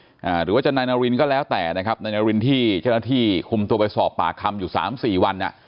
หรือว่าจะนายนารินก็แล้วแต่นะครับนายนารินที่เจ้าหน้าที่คุมตัวไปสอบปากคำอยู่สามสี่วันอ่ะ